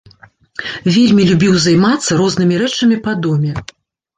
Вельмі любіў займацца рознымі рэчамі па доме.